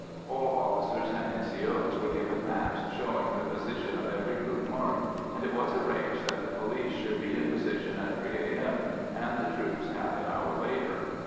All officers and N.C.O.'s were given maps showing the position of every group marked, and it was arranged that the police should be in position at 3 A.M. and the troops half an hour later.